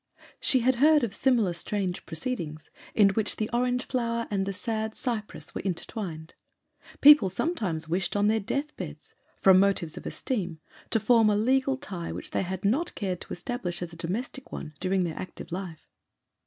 She had heard of similar strange proceedings, in which the orange flower and the sad cypress were intertwined. People sometimes wished on their death beds, from motives of esteem, to form a legal tie which they had not cared to establish as a domestic one during their active life.